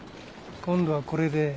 今度はこれで。